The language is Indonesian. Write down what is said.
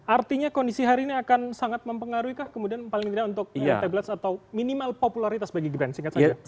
artinya kondisi hari ini akan sangat mempengaruhi kah kemudian paling tidak untuk elektabilitas atau minimal popularitas bagi grand singkat saja